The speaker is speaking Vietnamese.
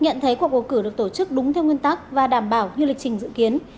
nhận thấy cuộc bầu cử được tổ chức đúng theo nguyên tắc và đảm bảo như lịch trình dự kiến